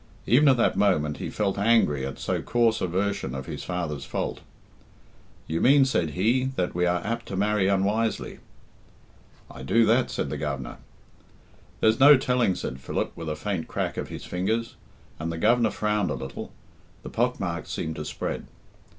Even at that moment he felt angry at so coarse a version of his father's fault. "You mean," said he, "that we are apt to marry unwisely." "I do that," said the Governor. "There's no telling," said Philip, with a faint crack of his fingers; and the Governor frowned a little the pock marks seemed to spread.